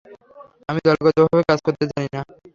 আমি দলগতভাবে কাজ করতে জানি না।